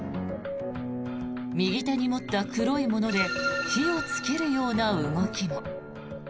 右手に持った黒いもので火をつけるような動きも。